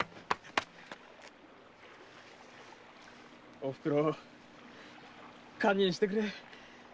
おふくろ堪忍してくれ。